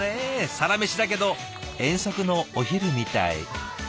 サラメシだけど遠足のお昼みたい！